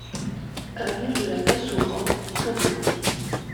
Avenue de la Passoura, Kourou